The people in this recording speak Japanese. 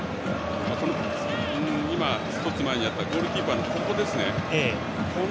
今、１つ前にあったゴールキーパーのところ。